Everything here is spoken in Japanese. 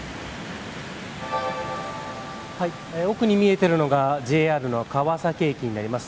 奥に見えているのがＪＲの川崎駅になります。